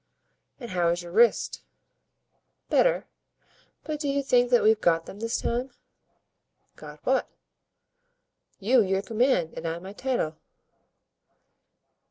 "And how is your wrist?" "Better; but do you think that we've got them this time?" "Got what?" "You your command, and I my title?"